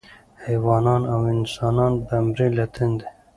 حیوانان او انسانان به مري له تندي